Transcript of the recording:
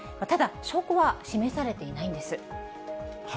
ただ、証拠は示されていないんです。